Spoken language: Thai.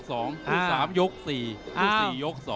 คู่๓ยก๔คู่๔ยก๒